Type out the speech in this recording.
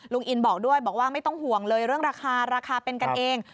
อินบอกด้วยบอกว่าไม่ต้องห่วงเลยเรื่องราคาราคาเป็นกันเอง